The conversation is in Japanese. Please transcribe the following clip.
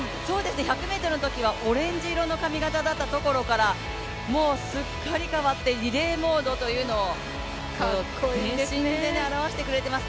１００ｍのときはオレンジ色の髪形だったところからもうすっかり変わってリレーモードというのを全身で表してくれてます。